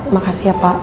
makasih ya pak